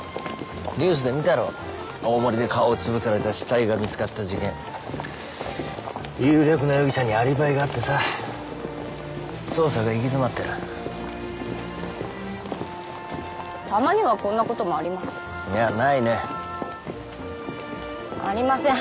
ニュースで見たろ大森で顔を潰された死体が見つかった事件有力な容疑者にアリバイがあってさ捜査が行き詰まってるたまにはこんなこともありますいやないねありません